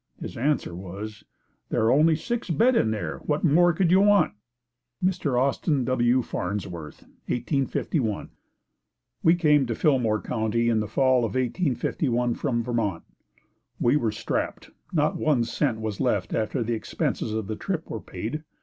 His answer was, "There are only six beds in there, what more could you want?" Mr. Austin W. Farnsworth 1851. We came to Fillmore County in the Fall of 1851 from Vermont. We were strapped. Not one cent was left after the expenses of the trip were paid.